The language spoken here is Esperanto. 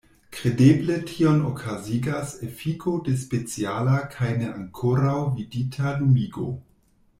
Kredeble tion okazigas efiko de speciala kaj ne ankoraŭ vidita lumigo.